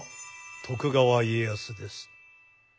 徳川家康です。